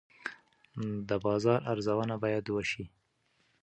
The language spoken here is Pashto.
د بازار ارزونه باید وشي.